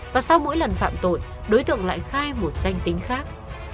và sau mỗi lần phạm tội đối tượng lại khai một danh tính khác